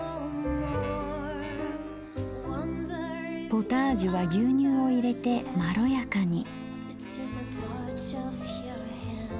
ポタージュは牛乳を入れてまろやかに。